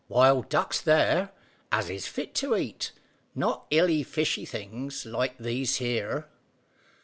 Wild ducks there, as is fit to eat, not iley fishy things like these here."